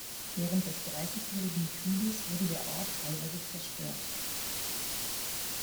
Während des Dreissigjährigen Krieges wurde der Ort teilweise zerstört.